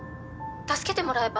☎助けてもらえば？